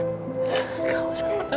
kamu sama aku